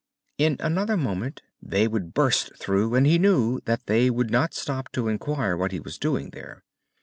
In another moment they would burst through, and he knew that they would not stop to enquire what he was doing there.